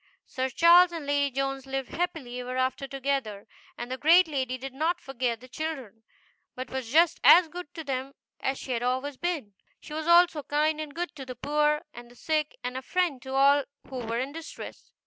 Sir Charles and Lady Jones lived very happily together, and the great lady did not forget the children, but was just as good to them as she had always been. She was also kind and good to the poor, and the sick, and a friend to all who were in distress.